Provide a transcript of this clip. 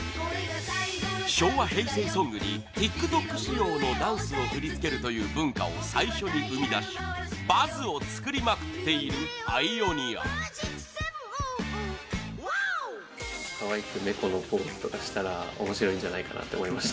昭和平成ソングにＴｉｋＴｏｋ仕様のダンスを振り付けるという文化を最初に生み出しバズを作りまくっているパイオニアＹＵＫＩ：可愛くネコのポーズとかしたら面白いんじゃないかなと思いました。